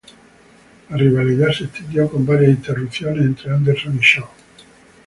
La rivalidad se extendió con varias interrupciones entre Anderson y Shaw.